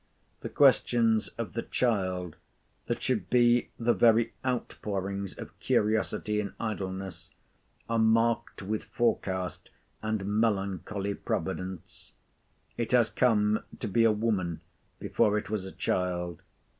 The questions of the child, that should be the very outpourings of curiosity in idleness, are marked with forecast and melancholy providence. It has come to be a woman, before it was a child.